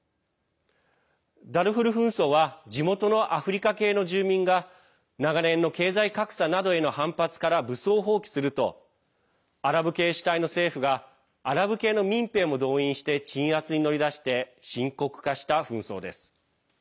ダルフール紛争は地元のアフリカ系の住民が長年の経済格差などへの反発から武装蜂起するとアラブ系主体の政府がアラブ系の民兵も動員して鎮圧に乗り出して深刻化した紛争です。